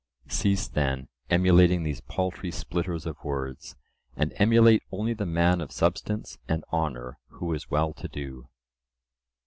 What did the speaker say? Cease, then, emulating these paltry splitters of words, and emulate only the man of substance and honour, who is well to do.